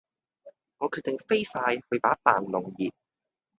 我決定飛快去把飯弄熱